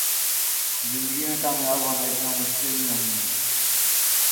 زندگی میں کامیاب ہونا اتنا مشکل نہیں